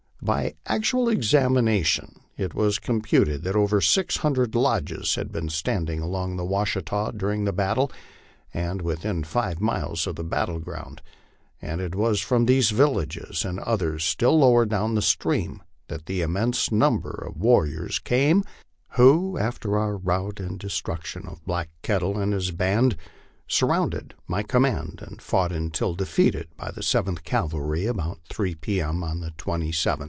By actual examination, it was computed that over six hundred lodges had been standing along the Washita during the battle, and within five miles of the battle ground, and it was from these villages, and others still lower down the stream, that the immense number of warriors came who, af ter our rout and destruction of Black Kettle and his band, surrounded my command and fought until defeated by the Seventh Cavalry about 3 P. M. on the 27th ult. ...